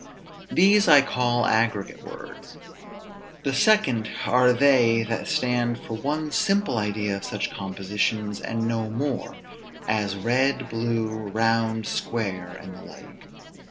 These I call aggregate words. The second are they that stand for one simple idea of such compositions, and no more; as red, blue, round, square, and the like.